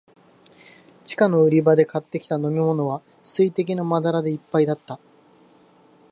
地下の売り場で買ってきた飲みものは、水滴のまだらでいっぱいだった。